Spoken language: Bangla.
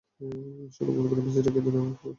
অনুগ্রহ করে মেসেজ রেখে দিন, আমরা পরে ফোন করবো।